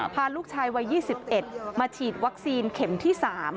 พาลูกชายวัย๒๑มาฉีดวัคซีนเข็มที่๓